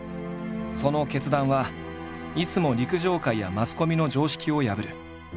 その決断はいつも陸上界やマスコミの常識を破る。